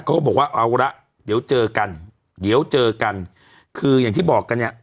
ก็บอกว่าเอาละเดี๋ยวเจอกันเดี๋ยวเจอกันคืออย่างที่บอกกันเนี่ย